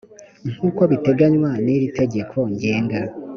nk uko biteganywa n iri tegeko ngenga